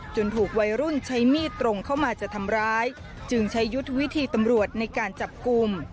ถูกวัยรุ่นใช้มีดตรงเข้ามาจะทำร้ายจึงใช้ยุทธวิธีตำรวจในการจับกลุ่ม